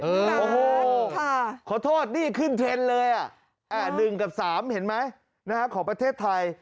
โอ้โหขอโทษนี่ขึ้นเทรนด์เลยอ่ะ๑กับ๓เห็นไหมของประเทศไทย